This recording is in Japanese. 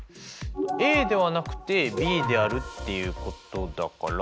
ＡではなくてＢであるっていうことだから。